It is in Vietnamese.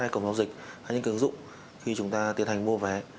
hai cổng giao dịch hay những ứng dụng khi chúng ta tiến hành mua vé